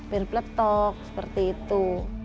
bir peletok seperti itu